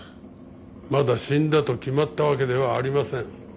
まだ死んだと決まったわけではありません。